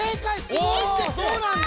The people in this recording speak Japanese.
おそうなんだ。